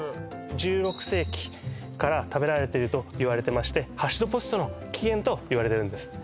１６世紀から食べられてるといわれてましてハッシュドポテトの起源といわれているんです